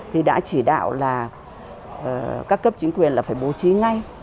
thì đã chỉ đạo là các cấp chính quyền là phải bố trí ngay